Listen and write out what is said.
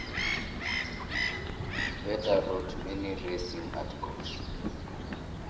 Veda wrote many racing articles.